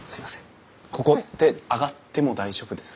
ここって上がっても大丈夫ですか？